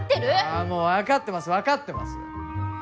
ああもう分かってます分かってます。